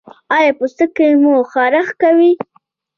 ایا پوستکی مو خارښ کوي؟